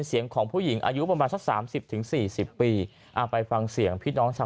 เสียงผู้หญิงครับร้องลักษณะร้องร้องยังไงฮะมันร้องแบบร้องแบบ